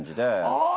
ああ。